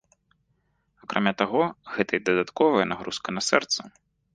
Акрамя таго, гэта і дадатковая нагрузка на сэрца.